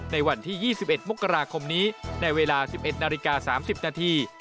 ในวันที่๒๑มกราคมนี้ในเวลา๑๑นาฬิกา๓๐นาที